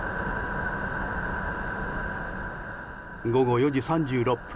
午後４時３６分。